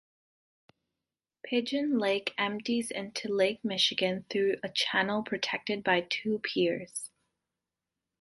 Pigeon Lake empties into Lake Michigan through a channel protected by two piers.